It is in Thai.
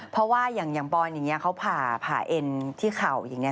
เพราะว่าอย่างบอยอย่างนี้เขาผ่าเอ็นที่เข่าอย่างนี้